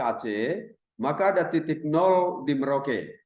di aceh maka ada titik nol di merauke